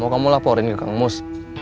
mau kamu laporin ke kang emus